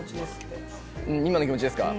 今の気持ちですね。